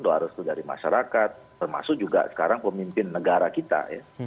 doa restu dari masyarakat termasuk juga sekarang pemimpin negara kita ya